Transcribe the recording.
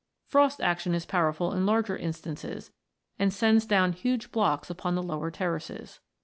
Frost action is powerful in larger instances, and sends down huge blocks upon the lower terraces.